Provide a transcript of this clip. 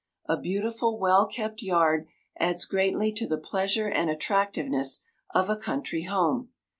A beautiful, well kept yard adds greatly to the pleasure and attractiveness of a country home.